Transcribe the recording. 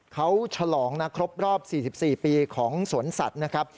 เขาฉลองนะครบรอบ๔๔ปีของสวนสัตว์นะครับ